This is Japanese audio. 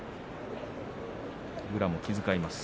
宇良も気遣います。